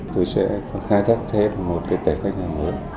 tôi sẽ khai thác thêm một cái tệp khách hàng mới